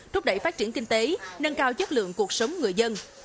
thúc đẩy phát triển kinh tế nâng cao chất lượng cuộc sống người dân